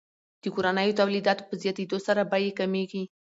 د کورنیو تولیداتو په زیاتیدو سره بیې کمیږي.